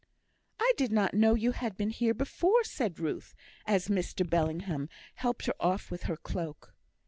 "I did not know you had been here before," said Ruth, as Mr Bellingham helped her off with her cloak.